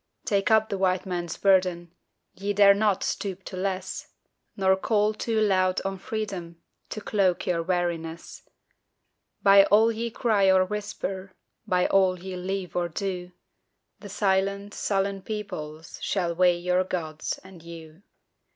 Take up the White Man's burden Ye dare not stoop to less Nor call too loud on Freedom To cloak your weariness; By all ye cry or whisper, By all ye leave or do, The silent, sullen peoples Shall weigh your Gods and you.